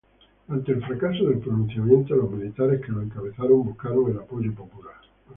Ante el fracaso del pronunciamiento, los militares que lo encabezaron buscaron el apoyo popular.